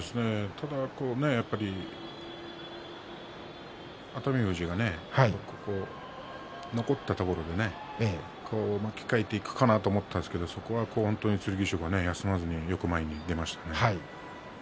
ただ熱海富士が残ったところで巻き替えていくかなと思ったんですが、そこは剣翔が休まずによく前に出ました。